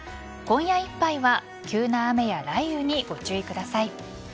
今夜いっぱいは急な雨や雷雨にご注意ください。